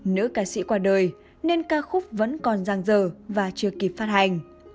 nữ ca sĩ qua đời nên ca khúc vẫn còn giang dở và chưa kịp phát hành